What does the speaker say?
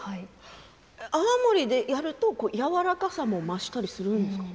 泡盛でやるとやわらかさも増したりするんですか？